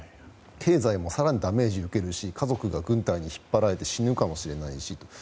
経済も更にダメージを受けるし家族が軍隊に引っ張られて死ぬかもしれないし。